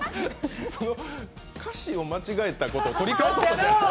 歌詞を間違えた事を取り返そうとしてます？